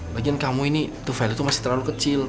lagian kamu ini tufaila tuh masih terlalu kecil